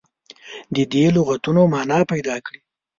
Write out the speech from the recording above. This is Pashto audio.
د دې لغتونو معنا پیداکړي.